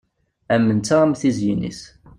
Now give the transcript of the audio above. Am netta am tiziyin-is.